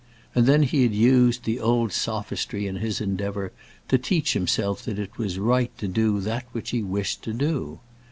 And then he had used the old sophistry in his endeavour to teach himself that it was right to do that which he wished to do.